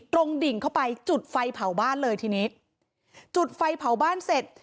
ดิ่งเข้าไปจุดไฟเผาบ้านเลยทีนี้จุดไฟเผาบ้านเสร็จ